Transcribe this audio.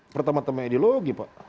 pertama tama ideologi pak